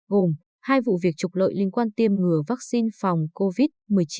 gồm hai vụ việc trục lợi liên quan tiêm ngừa vaccine phòng covid một mươi chín